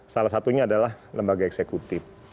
salah satunya adalah lembaga eksekutif